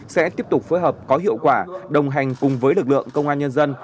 sẽ tiếp tục phối hợp có hiệu quả đồng hành cùng với lực lượng công an nhân dân